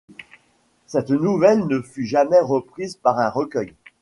Cette nouvelle ne fut jamais reprise dans un recueil.